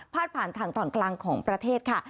ผ่านทางตอนกลางของประเทศค่ะ